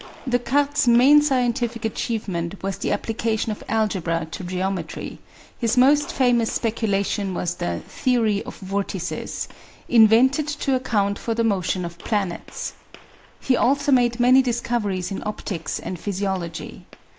Descartes's main scientific achievement was the application of algebra to geometry; his most famous speculation was the "theory of vortices," invented to account for the motion of planets. He also made many discoveries in optics and physiology.